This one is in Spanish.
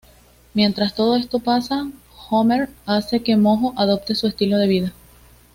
Mientras todo esto pasa, Homer hace que Mojo adopte su estilo de vida.